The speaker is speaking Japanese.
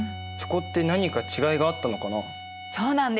そこって何か違いがあったのかな？